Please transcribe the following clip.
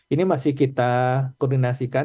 ini masih kita koordinasikan